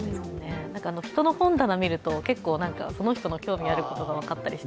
人の本棚見るとその人の興味あることとか分かったりして。